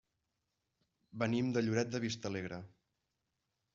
Venim de Lloret de Vistalegre.